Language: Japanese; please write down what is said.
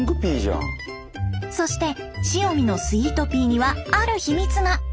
そして塩見のスイートピーにはある秘密が。